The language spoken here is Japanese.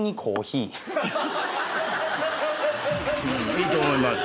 いいと思います。